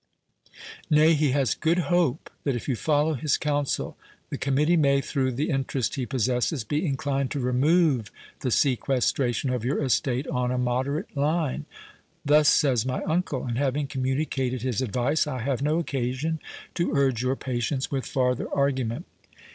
Nay, he has good hope, that if you follow his counsel, the committee may, through the interest he possesses, be inclined to remove the sequestration of your estate on a moderate line. Thus says my uncle; and having communicated his advice, I have no occasion to urge your patience with farther argument."